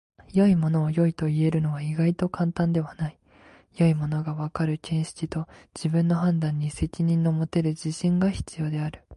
よいものをよいと言えるのは意外と簡単ではない。よいものが分かる見識と自分の判断に責任の持てる自信が必要である。